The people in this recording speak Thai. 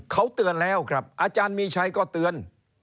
เขาเตือนแล้วครับอาจารย์มีชัยก็เตือน